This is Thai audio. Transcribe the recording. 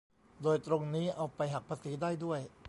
โดยตรงนี้เอาไปหักภาษีได้ด้วย